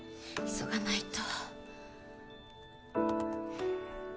急がないと。